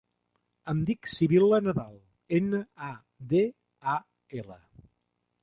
Em dic Sibil·la Nadal: ena, a, de, a, ela.